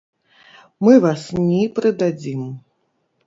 Мы вас ні прыдадзім.